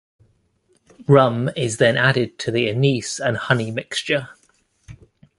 Rum is then added to the anise and honey mixture.